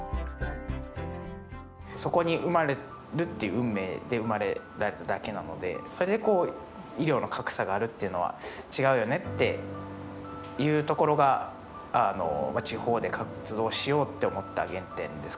そこに生まれるっていう運命で生まれられただけなのでそれで、医療の格差があるというのは違うよねっていうところが地方で活動しようって思った原点ですかね。